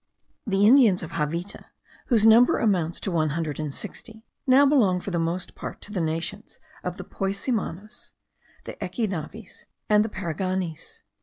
The Indians of Javita, whose number amounts to one hundred and sixty, now belong for the most part to the nations of the Poimisanos, the Echinavis, and the Paraganis.